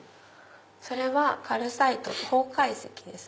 それはカルサイト方解石です。